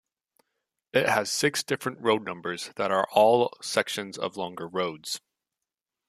It has six different road numbers that are all sections of longer roads.